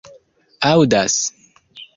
aŭdas